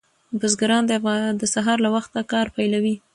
بزګران د سهار له وخته کار پیلوي.